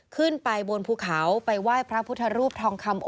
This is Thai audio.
ขึ้นไปบนภูเขาไปไหว้พระพุทธรูปทองคำ